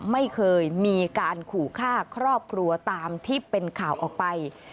ไม่เคยมีการขู่ฆ่าครอบครัวตามที่เป็นข่าวออกไป